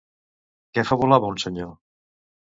Què fabulava un senyor?